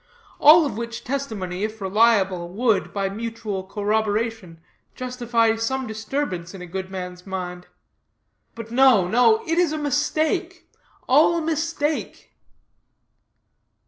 All of which testimony, if reliable, would, by mutual corroboration, justify some disturbance in a good man's mind. But no, no; it is a mistake all a mistake."